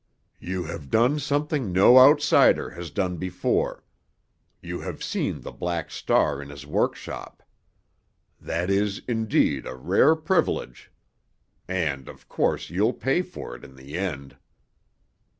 "You have done something no outsider has done before—you have seen the Black Star in his workshop. That is, indeed, a rare privilege. And, of course, you'll pay for it in the end."